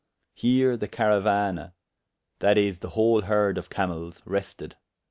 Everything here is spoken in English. Heere the carauana (that is, the whole hearde of camelles) rested.